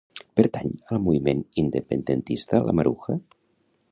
Pertany al moviment independentista la Maruja?